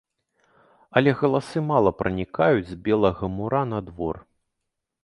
Але галасы мала пранікаюць з белага мура на двор.